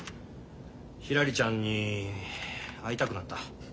ひらりちゃんに会いたくなった。